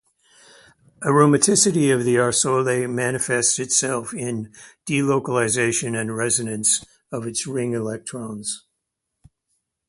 Aromaticity of the arsole manifests itself in delocalization and resonance of its ring electrons.